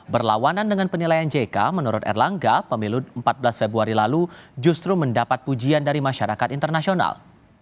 berlawanan dengan penilaian jk menurut erlangga pemilu empat belas februari lalu justru mendapat pujian dari masyarakat internasional